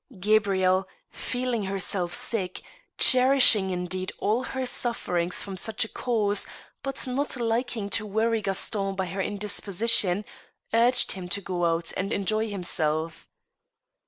Gabrielle, feeling herself sick, cherishing, indeed, all her sufferings from such a cause, but not liking to worry Gaston by her indispo sition, urged him to go out and enjoy himself.